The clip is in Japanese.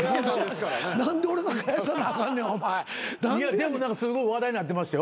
でも何かすごい話題になってましたよ。